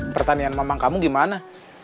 pertanian mamang kamu gimana